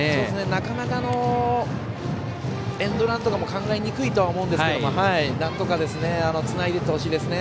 なかなかエンドランとかも考えにくいとは思うんですけどなんとかつないでいってほしいですね。